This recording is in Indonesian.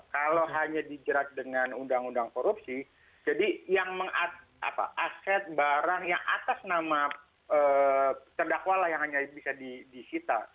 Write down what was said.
kalau hanya dijerat dengan undang undang korupsi jadi yang aset barang yang atas nama terdakwa lah yang hanya bisa disita